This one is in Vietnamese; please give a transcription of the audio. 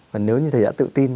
và nếu như thầy đã tự tin